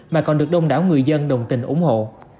mà còn được đông đảo người dân đồng tình ủng hộ